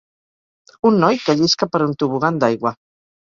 Un noi que llisca per un tobogan d'aigua.